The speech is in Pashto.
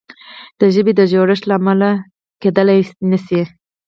د ژبې د جوړښت له امله منل کیدلای نه شي.